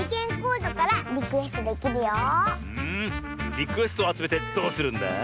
リクエストをあつめてどうするんだ？